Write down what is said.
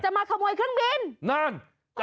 จะมาขโมยเครื่องบินอย่างไร